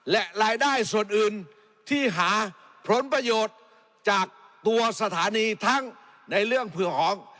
และรายได้ส่วนอื่นที่หาผลประโยชน์จากตัวสถานีทั้งในเรื่องเผื่อของ